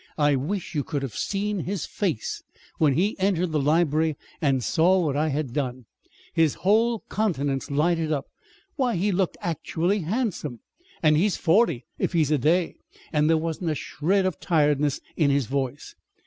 I wish you could have seen his face when he entered the library and saw what I had done. His whole countenance lighted up. Why, he looked actually handsome! and he's forty, if he's a day! And there wasn't a shred of tiredness in his voice.